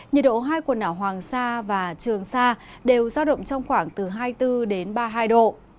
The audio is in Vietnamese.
nhiệt độ hai quần đảo hoàng sa và trường sa đều giao động trong khoảng từ hai mươi bốn đến ba mươi hai độ